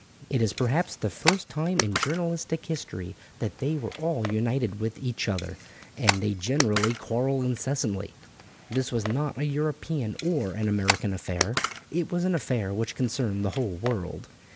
It is perhaps the first time in journalistic history that they were all united with each other, as they generally quarrel incessantly. This was not a European or an American affair; it was an affair which concerned the whole world.